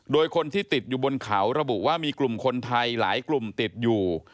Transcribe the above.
โดยคนที่ติดอยู่บนเขาระบุว่ามีกลุ่มคนไทยหลายกลุ่มติดอยู่